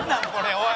おい」